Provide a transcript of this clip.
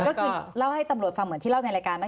ก็คือเล่าให้ตำรวจฟังเหมือนที่เล่าในรายการไหม